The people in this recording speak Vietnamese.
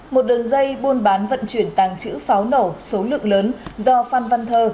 một đường dây buôn bán vận chuyển tàng trữ pháo nổ số lượng lớn do phan văn thơ